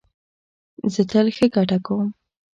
زه تل ښه ګټه کوم